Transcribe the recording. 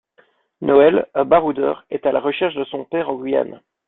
Noël, un baroudeur, est à la recherche de son père en Guyane.